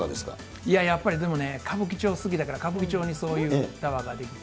いや、やっぱりでもね、歌舞伎町好きだから、歌舞伎町にそういうタワーが出来て。